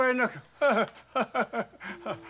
ハハハハハハ。